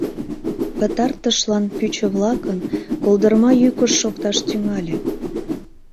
Пытартышлан пӱчӧ-влакын колдырма йӱкышт шокташ тӱҥале.